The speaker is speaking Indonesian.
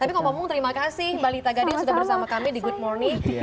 tapi ngomong ngomong terima kasih mbak lita gading sudah bersama kami di good morning